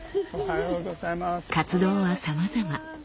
活動はさまざま。